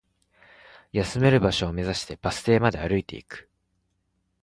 休める場所を目指して、バス停まで歩いていく